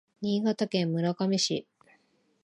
新潟県村上市